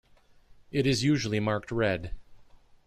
It is usually marked red.